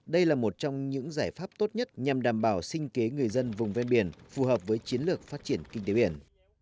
đây là một trong những giải pháp tốt nhất nhằm đảm bảo sinh kế người dân vùng ven biển phù hợp với chiến lược phát triển kinh tế biển